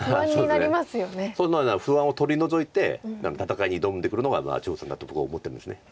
そのような不安を取り除いて戦いに挑んでくるのが張栩さんだと僕は思ってるんです。